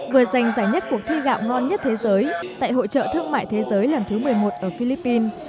vừa giành giải nhất cuộc thi gạo ngon nhất thế giới tại hội trợ thương mại thế giới lần thứ một mươi một ở philippines